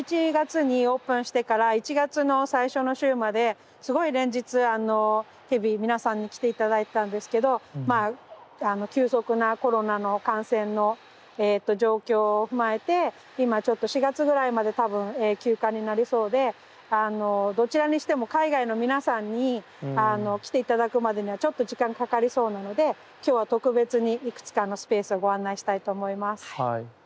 １１月にオープンしてから１月の最初の週まですごい連日日々皆さんに来て頂いてたんですけどまあ急速なコロナの感染の状況を踏まえて今ちょっと４月ぐらいまで多分休館になりそうでどちらにしても海外の皆さんに来て頂くまでにはちょっと時間がかかりそうなので今日は特別にいくつかのスペースをご案内したいと思います。